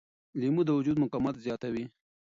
لیمو د وجود مقاومت زیاتوي.